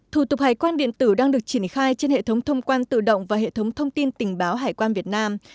thủ tục hải quan điện tử đang được triển khai trên hệ thống thông quan tự động và hệ thống thông tin tình báo hải quan việt nam